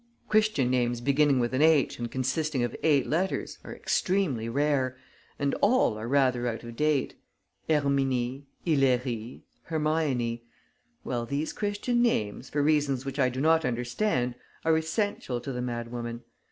Christian names beginning with an H and consisting of eight letters are extremely rare and are all rather out of date: Herminie, Hilairie, Hermione. Well, these Christian names, for reasons which I do not understand, are essential to the madwoman.